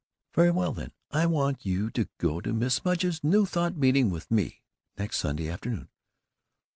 "Very well then, I want you to go to Mrs. Mudge's New Thought meeting with me, next Sunday afternoon."